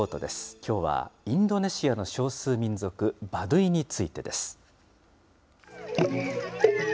きょうはインドネシアの少数民族、バドゥイについてです。